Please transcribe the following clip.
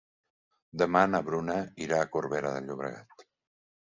Demà na Bruna irà a Corbera de Llobregat.